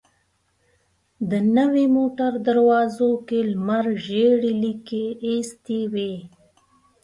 د نوې موټر دروازو کې لمر ژېړې ليکې ايستې وې.